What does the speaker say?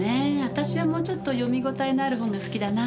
私はもうちょっと読みごたえのある本が好きだな。